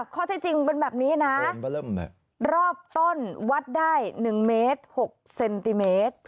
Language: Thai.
ข้อที่จริงเป็นแบบนี้นะรอบต้นวัดได้๑เมตร๖เซนติเมตร